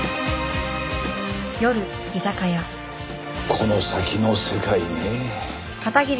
この先の世界ねえ。